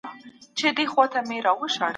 جګړي ټول هغه پلانونه او پروژي فلج کړي.